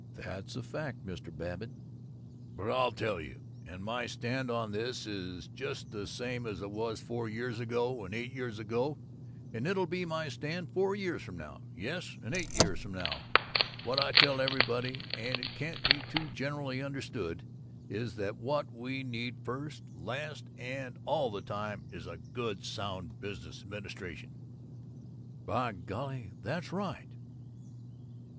"That's a fact, Mr. Babbitt." "But I'll tell you and my stand on this is just the same as it was four years ago, and eight years ago, and it'll be my stand four years from now yes, and eight years from now! What I tell everybody, and it can't be too generally understood, is that what we need first, last, and all the time is a good, sound business administration!" "By golly, that's right!"